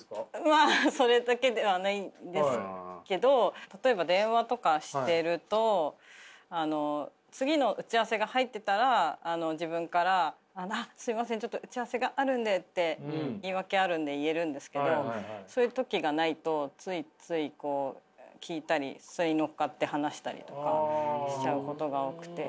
まあそれだけではないんですけど例えば電話とかしてると次の打ち合わせが入ってたら自分から「あっすいませんちょっと打ち合わせがあるんで」って言い訳あるんで言えるんですけどそういう時がないとついつい聞いたりそれに乗っかって話したりとかしちゃうことが多くて。